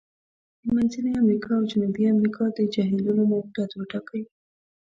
د منځني امریکا او جنوبي امریکا د جهیلونو موقعیت وټاکئ.